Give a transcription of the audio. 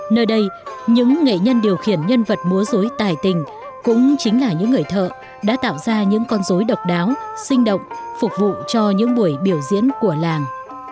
nơi đây những nghệ nhân điều khiển nhân vật múa dối tài tình cũng chính là những người thợ đã tạo ra những con dối độc đáo sinh động phục vụ cho những buổi biểu diễn của làng